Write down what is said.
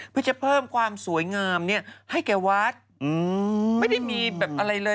เพื่อจะเพิ่มความสวยงามให้แก่วัดไม่ได้มีแบบอะไรเลย